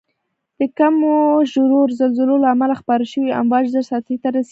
د کمو ژورو زلزلو له امله خپاره شوی امواج زر سطحې ته رسیږي.